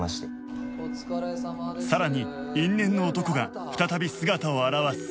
さらに因縁の男が再び姿を現す